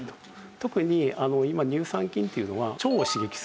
特に今乳酸菌っていうのは腸を刺激する。